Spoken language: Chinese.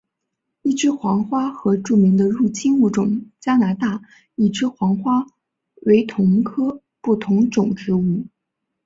一枝黄花和著名的入侵物种加拿大一枝黄花为同科不同种植物。